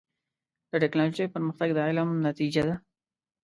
د ټکنالوجۍ پرمختګ د علم نتیجه ده.